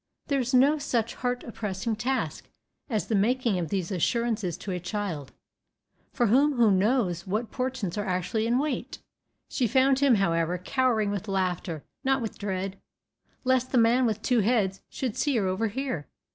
There is no such heart oppressing task as the making of these assurances to a child, for whom who knows what portents are actually in wait! She found him, however, cowering with laughter, not with dread, lest the man with two heads should see or overhear.